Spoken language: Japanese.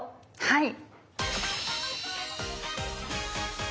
はい。